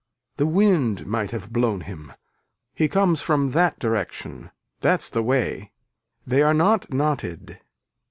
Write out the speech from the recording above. The wind might have blown him. He comes from that direction . That's the way. They are not knotted.